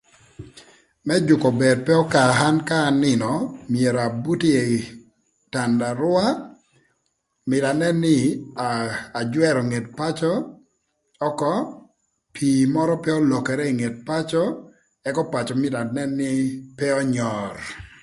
Më jükö ober pe öka an ka anïnö myero abuti ï tandarüa myero anën nï ajwërö nget pacö ökö pïï mörö pe olokere ï nget pacö ëka pacö mïtö anën nï pe önyör.